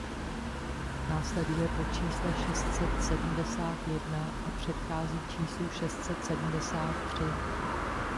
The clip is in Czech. Následuje po čísle šest set sedmdesát jedna a předchází číslu šest set sedmdesát tři.